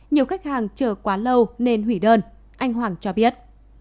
nhiều khách hàng chờ quá lâu nên hủy đơn anh hoàng cho biết